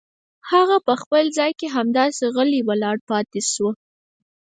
هغه په خپل ځای کې همداسې غلې ولاړه پاتې شوه.